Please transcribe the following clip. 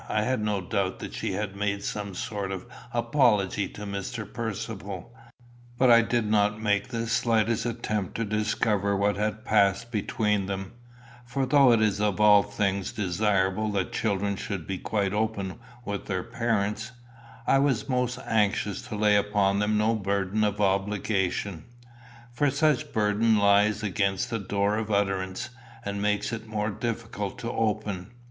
I had no doubt that she had made some sort of apology to Mr. Percivale; but I did not make the slightest attempt to discover what had passed between them, for though it is of all things desirable that children should be quite open with their parents, I was most anxious to lay upon them no burden of obligation. For such burden lies against the door of utterance, and makes it the more difficult to open.